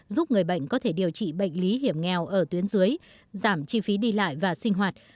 giúp người bệnh có thể điều trị bệnh lý hiểm nghèo ở tuyến dưới giảm chi phí đi lại và sinh hoạt